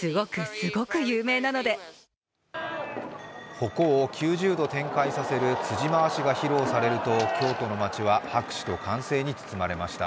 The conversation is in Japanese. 鉾を９０度展開させる辻回しが披露されると京都の街は拍手と歓声に包まれました。